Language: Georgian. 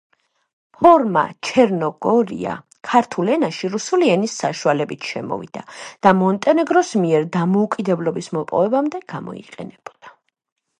ფორმა „ჩერნოგორია“ ქართულ ენაში რუსული ენის საშუალებით შემოვიდა და მონტენეგროს მიერ დამოუკიდებლობის მოპოვებამდე გამოიყენებოდა.